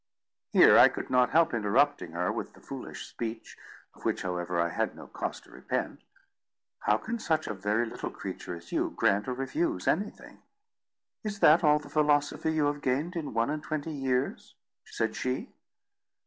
Here I could not help interrupting her with the foolish speech, of which, however, I had no cause to repent— "How can such a very little creature as you grant or refuse anything?" "Is that all the philosophy you have gained in one and twenty years?" said she.